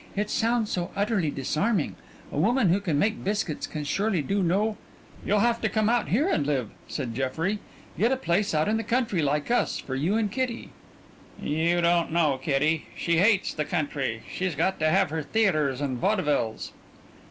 It sounds so utterly disarming. A woman who can make biscuits can surely do no " "You'll have to come out here and live," said Jeffrey. "Get a place out in the country like us, for you and Kitty." "You don't know Kitty. She hates the country. She's got to have her theatres and vaudevilles."